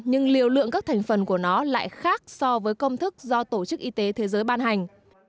nhưng liều lượng các thành phần của nó lại khác so với công thức do tổ chức y tế thế giới ban hành